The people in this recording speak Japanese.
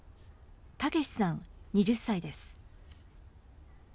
タケシさん２０歳です。